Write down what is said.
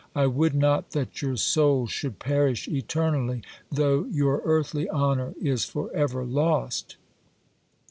I would not that your soul should perish eternally, though your earthly honour is for ever lost.